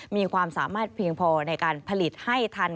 มีความสามารถเพียงพอในการผลิตให้ทัน